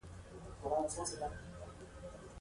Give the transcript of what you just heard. هغه يوه شېبه د ماشومې سترګو ته ځير شو.